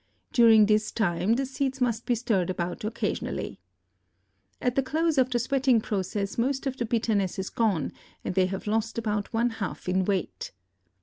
During this time the seeds must be stirred about occasionally. At the close of the sweating process most of the bitterness is gone and they have lost about one half in weight.